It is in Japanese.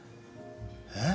えっ？